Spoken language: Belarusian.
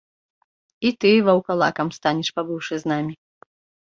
І ты ваўкалакам станеш, пабыўшы з намі.